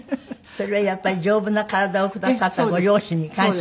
それはやっぱり丈夫な体をくださったご両親に感謝。